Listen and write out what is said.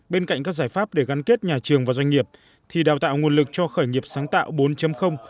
bên cạnh các giải pháp để gắn kết nhà trường và doanh nghiệp thì đào tạo nguồn lực cho khởi nghiệp sáng tạo bốn